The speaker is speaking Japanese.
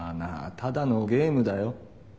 ただのゲームだよ。